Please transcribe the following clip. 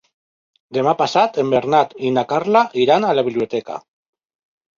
Demà passat en Bernat i na Carla iran a la biblioteca.